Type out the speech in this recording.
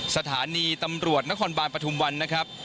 สถานีตำรวจนครบาลปฐุมวันนะครับ